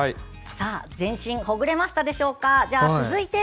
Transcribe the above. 全身ほぐれましたでしょうか。